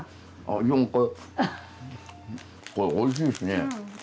でもこれおいしいですね。